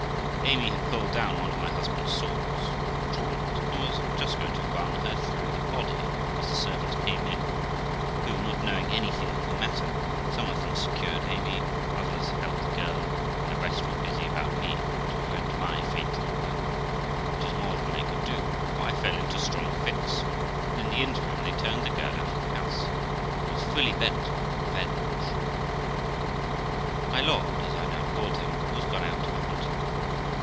Amy had pulled down one of my husband's swords, drawn it, and was just going to run her through the body, as the servants came in, who, not knowing anything of the matter, some of them secured Amy, others held the girl, and the rest were busy about me, to prevent my fainting away, which was more than they could do, for I fell into strong fits, and in the interim they turned the girl out of the house, who was fully bent on revenge. My lord, as I now called him, was gone out a hunting.